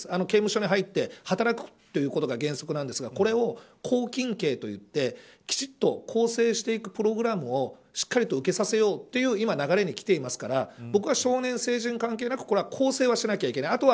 刑務所に入って働くことが原則なんですがこれを、拘禁刑といってきちんと更生していくプログラムをしっかり受けさせようという今、流れにきていますから僕は少年、成人関係なく更生はしなければいけない。